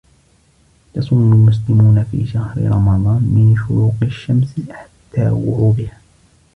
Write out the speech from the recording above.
يصوم المسلمون في شهر رمضان من شروق الشمس حتى غروبها.